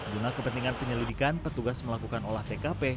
guna kepentingan penyelidikan petugas melakukan olah tkp